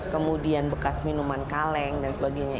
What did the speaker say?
kemudian bekas minuman kaleng dan sebagainya